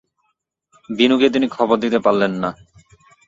বিনুকে তিনি খবর দিতে পারলেন না।